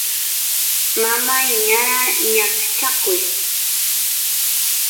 mamay niyara ñaqchakuy